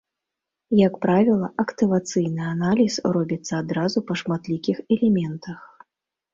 Як правіла, актывацыйны аналіз робіцца адразу па шматлікіх элементах.